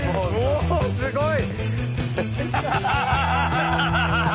おおすごい。